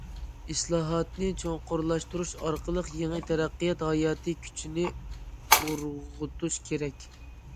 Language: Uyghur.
ئىسلاھاتنى چوڭقۇرلاشتۇرۇش ئارقىلىق يېڭى تەرەققىيات ھاياتىي كۈچىنى ئۇرغۇتۇش كېرەك.